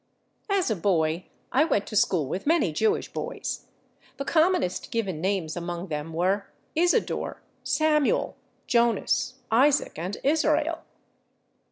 As a boy I went to school with many Jewish boys. The commonest given names among them were /Isadore/, /Samuel/, /Jonas/, /Isaac/ and /Israel